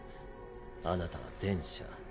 あなたは前者。